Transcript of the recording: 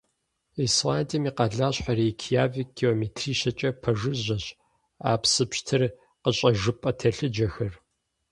Исландием и къалащхьэ Рейкьявик километрищэкӀэ пэжыжьэщ а псы пщтыр къыщӀэжыпӀэ телъыджэхэр.